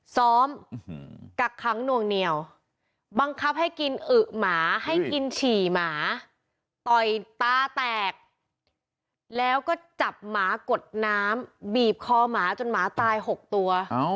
ซ้อมกักขังหน่วงเหนียวบังคับให้กินอึ๋หมาให้กินฉี่หมาต่อยตาแตกแล้วก็จับหมากดน้ำบีบคอหมาจนหมาตาย๖ตัว